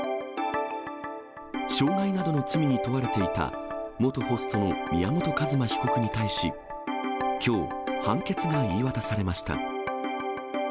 傷害などの罪に問われていた、元ホストの宮本一馬被告に対し、きょう、判決が言い渡されました。